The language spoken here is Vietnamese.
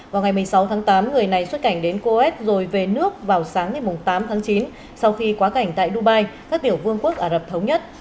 vào ngày một mươi sáu tháng tám người này xuất cảnh đến coes rồi về nước vào sáng ngày tám tháng chín sau khi quá cảnh tại dubai các tiểu vương quốc ả rập thống nhất